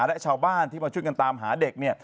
และชาวบ้านที่มาช่วยกันตามหาเด็กเนี่ย